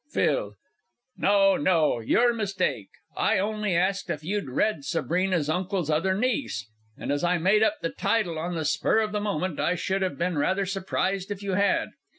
PHIL. No, no your mistake. I only asked you if you'd read Sabrina's Uncle's Other Niece, and, as I made up the title on the spur of the moment, I should have been rather surprised if you had.